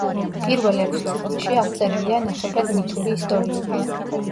პირველ ექვს წიგნში აღწერილია ნახევრად მითური ისტორიები.